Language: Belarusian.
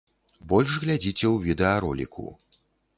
Больш глядзіце ў відэароліку.